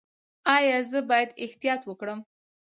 ایا زه باید احتیاط وکړم؟